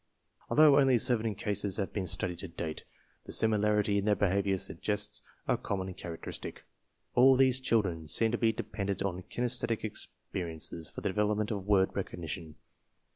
Although only seven cases have been studied to date, the similarity in their behavior suggests a common characteristic. All these children seem to be dependent on kinesthetic experiences for the development of word recognition.